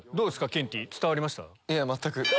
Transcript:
ケンティー伝わりました？